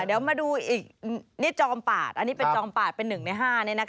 เดี๋ยวมาดูอีกนี่จอมปาดอันนี้เป็นจอมปาดเป็น๑ใน๕